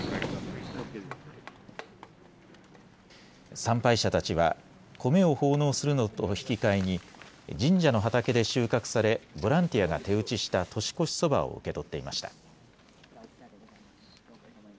参拝者たちはコメを奉納するのと引き換えに神社の畑で収穫されボランティアが手打ちした年越しそばを受け取っていました。